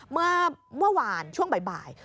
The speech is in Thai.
เมื่อวานช่วงบ่าย